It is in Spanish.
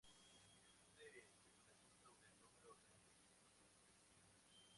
Existe especulación sobre el número real de víctimas durante el incendio.